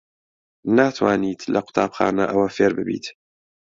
ناتوانیت لە قوتابخانە ئەوە فێر ببیت.